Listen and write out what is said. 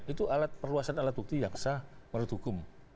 itu alat perluasan alat bukti yang sah menurut hukum